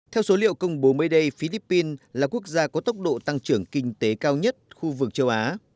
theo số liệu công bố mới đây philippines là quốc gia có tốc độ tăng trưởng kinh tế cao nhất khu vực châu á